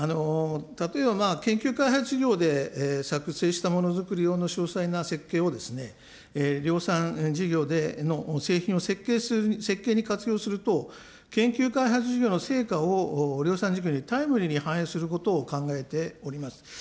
例えば研究開発事業で作成したものづくり用の詳細な設計を、量産事業での製品を設計に活用すると、研究開発事業の成果を量産事業にタイムリーに反映することを考えております。